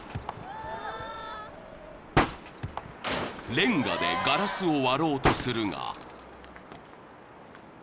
［レンガでガラスを割ろうとするが］